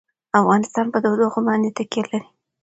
افغانستان په تودوخه باندې تکیه لري.